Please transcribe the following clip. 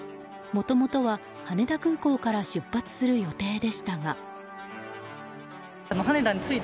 もともとは羽田空港から出発する予定でしたが。